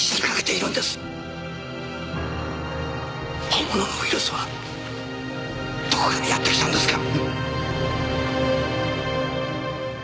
本物のウイルスはどこからやってきたんですか？